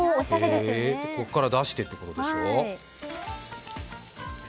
ここから出してってことでしょう？